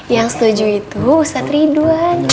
yang setuju itu ustadz ridwan